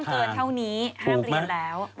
อ๋ออายุห้ามเกิดเท่านี้ห้ามเรียนแล้ว